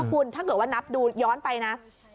คุณถ้าเกิดว่านับดูย้อนไปนะ